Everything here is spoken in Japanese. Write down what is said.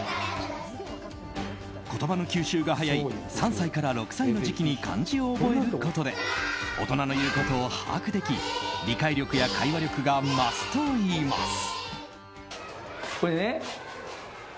言葉の吸収が早い３歳から６歳の時期に漢字を覚えることで大人の言うことを把握でき理解力や会話力が増すといいます。